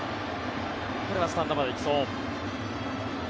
これはスタンドまで行きそう。